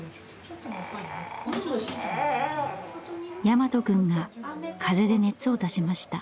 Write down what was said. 大和くんが風邪で熱を出しました。